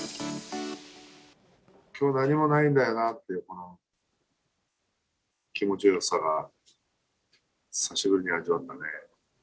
きょう何もないんだよなっていう気持ちよさを久しぶりに味わったね。